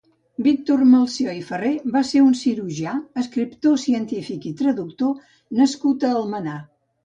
Victor Melcior i Farré va ser un cirurgià, escriptor científic i traductor nascut a Almenar.